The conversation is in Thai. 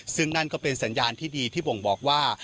ซึ่งนั่นก็เป็นสัญญาณที่ดีที่บ่งบอกว่า